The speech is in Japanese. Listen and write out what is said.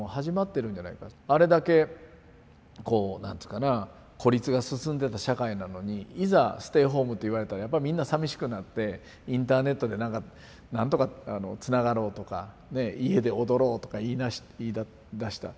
あれだけこう何ていうかな孤立が進んでた社会なのにいざステイホームって言われたらやっぱみんなさみしくなってインターネットでなんか何とかつながろうとか家で踊ろうとか言いだした。